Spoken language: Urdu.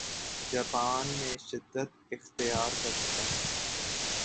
جاپان میں شدت اختیار کرچکا ہے